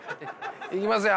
いきますよ。